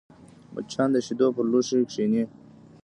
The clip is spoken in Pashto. مچان د شیدو پر لوښي کښېني